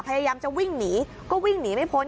พยายามจะวิ่งหนีก็วิ่งหนีไม่พ้น